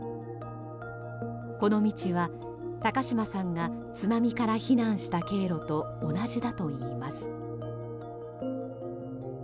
この道は高嶋さんが津波から避難した経路と同じだといいます。